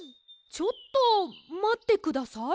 ちょっとまってください。